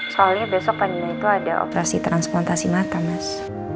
soalnya besok paginya itu ada operasi transplantasi mata mas